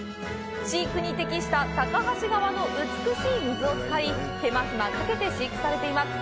飼育に適した高梁川の美しい水を使い、手間暇かけて飼育されています。